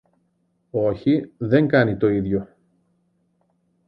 Όχι, δεν κάνει το ίδιο